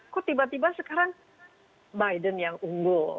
kok tiba tiba sekarang biden yang unggul